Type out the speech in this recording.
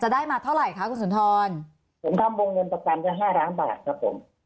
ได้มาเท่าไหร่คะคุณสุนทรผมทำวงเงินประกันก็ห้าล้านบาทครับผม